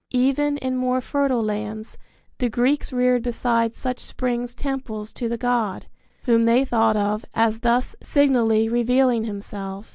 Even in more fertile lands the Greeks reared beside such springs temples to the god, whom they thought of as thus signally revealing himself.